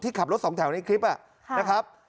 ขับรถสองแถวในคลิปนะครับ